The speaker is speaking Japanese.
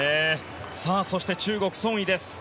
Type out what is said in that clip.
そして中国ソン・イです。